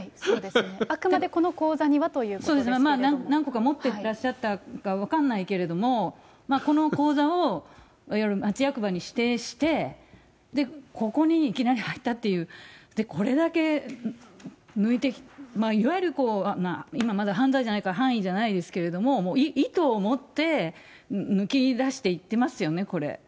あくまでこの口座にはというそうですね、何個か持ってらっしゃったか分かんないけれども、この口座を、いわゆる町役場に指定して、ここにいきなり入ったという、これだけ抜いて、いわゆる今まで犯罪じゃないから、犯意じゃないですけど、意図を持って、抜き出していってますよね、これ。